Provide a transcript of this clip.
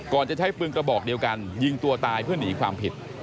จะใช้ปืนกระบอกเดียวกันยิงตัวตายเพื่อหนีความผิด